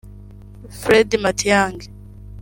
Fred Matiang’i